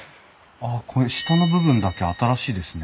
ああこれ下の部分だけ新しいですね。